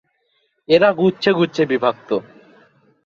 এরা গুচ্ছে গুচ্ছে বিভক্ত।